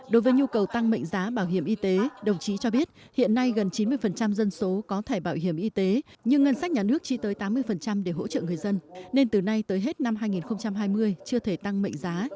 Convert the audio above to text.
đối với nhu cầu tăng mệnh giá bảo hiểm y tế đồng chí cho biết hiện nay gần chín mươi dân số có thể bảo hiểm y tế nhưng ngân sách nhà nước chi tới tám mươi để hỗ trợ người dân nên từ nay tới hết năm hai nghìn hai mươi chưa thể tăng mệnh giá